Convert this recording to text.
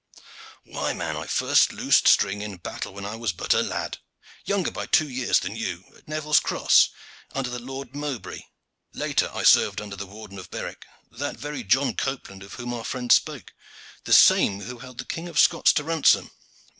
"Why, man, I first loosed string in battle when I was but a lad, younger by two years than you, at Neville's Cross, under the Lord Mowbray. Later, I served under the Warden of Berwick, that very John Copeland of whom our friend spake, the same who held the King of Scots to ransom.